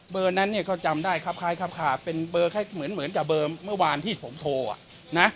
เบอนั้นเนี่ยเขาจำได้ครับไข้ครับค่ะเป็นเบอร์แค่เหมือนเบอร์เมื่อวานที่ผมโทรอะ